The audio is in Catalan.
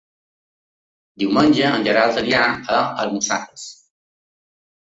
Diumenge en Gerard anirà a Almussafes.